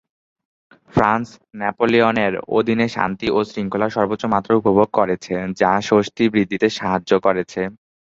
France "নেপোলিয়নের" অধীনে শান্তি ও শৃঙ্খলার সর্বোচ্চ মাত্রা উপভোগ করেছে যা স্বস্তি বৃদ্ধিতে সাহায্য করেছে।